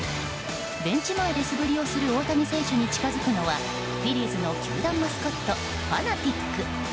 ベンチ前で素振りをする大谷選手に近づくのはフィリーズの球団マスコットファナティック。